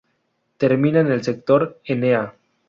Termina en el sector Enea.